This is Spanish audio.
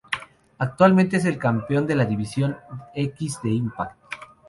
Actualmente es el Campeón de la División X de Impact.